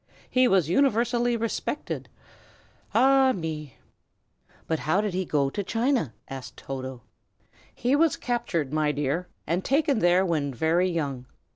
"He was universally respected. Ah, me!" "But how came he to go to China?" asked Toto. "He was captured, my dear, and taken there when very young.